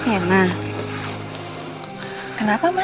saat kamu itu